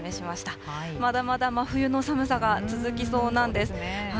まだまだ真冬の寒さが続きそうなんです。